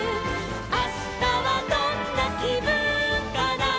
「あしたはどんなきぶんかな」